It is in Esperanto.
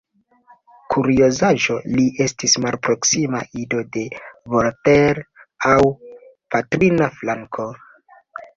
Kuriozaĵo: li estis malproksima ido de Voltaire, laŭ patrina flanko.